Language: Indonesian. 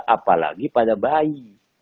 apalagi pada bayi